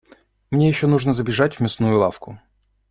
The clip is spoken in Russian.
Мне ещё нужно забежать в мясную лавку.